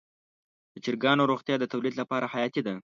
د چرګانو روغتیا د تولید لپاره حیاتي ده.